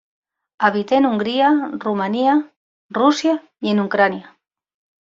Habita en Hungría, Rumania Rusia y en Ucrania.